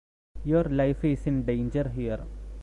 Your life is in danger here.